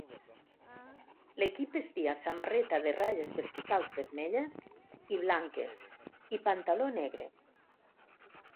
L'equip vestia samarreta de ratlles verticals vermelles i blanques i pantaló negre.